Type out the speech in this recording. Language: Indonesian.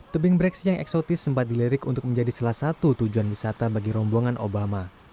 tebing breksi yang eksotis sempat dilirik untuk menjadi salah satu tujuan wisata bagi rombongan obama